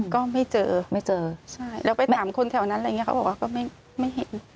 ก็ไม่เจอไม่เจอใช่แล้วไปถามคนแถวนั้นอะไรอย่างนี้เขาบอกว่าก็ไม่เห็น